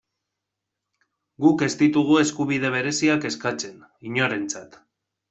Guk ez ditugu eskubide bereziak eskatzen, inorentzat.